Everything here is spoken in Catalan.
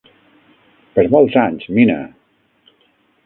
Per molts anys, Mina!